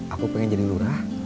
aku pengen jadi lurah